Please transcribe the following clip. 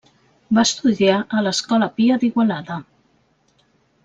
Va estudiar a l'Escola Pia d'Igualada.